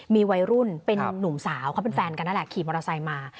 มีวัยรุ่นเป็นนุ่มสาวเขาเป็นแฟนกันนั่นแหละขี่มอเตอร์ไซค์มา